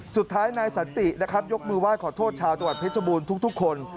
สุดท้ายนายสันตินะครับยกมือไห้ขอโทษชาวจังหวัดเพชรบูรณ์ทุกคน